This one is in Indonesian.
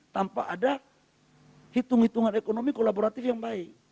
tanpa ada hitung hitungan ekonomi kolaboratif yang baik